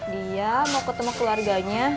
dia mau ketemu keluarganya